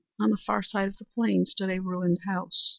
On the far side of the plain stood a ruined house.